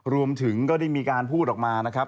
รวมถึงก็ได้มีประโยชน์พูดออกมานะครับ